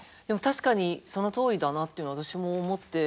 確かにそのとおりだなっていうのは私も思って。